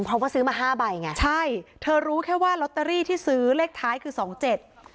เพราะว่าซื้อมาห้าใบไงใช่เธอรู้แค่ว่าลอตเตอรี่ที่ซื้อเลขท้ายคือสองเจ็ด